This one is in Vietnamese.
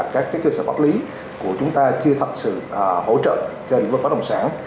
các cái cơ sở pháp lý của chúng ta chưa thật sự hỗ trợ cho địa pháp bất động sản